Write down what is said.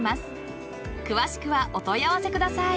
［詳しくはお問い合わせください］